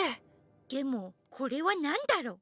でもこれはなんだろ！？